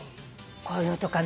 こういうのとかね。